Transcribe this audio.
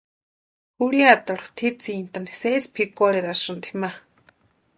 Jurhiatarhu tʼitsintʼani sési pʼikwarherasïni ma.